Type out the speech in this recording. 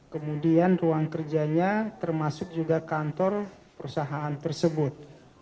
kemudian ruang kerjanya termasuk juga kantor perusahaan tersebut